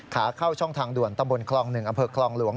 ขาเข้าช่องทางด่วนตำบล๑บคลองหลวง